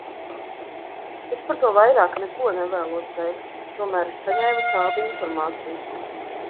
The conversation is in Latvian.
Es par to vairāk neko nevēlos teikt, tomēr es saņēmu šādu informāciju.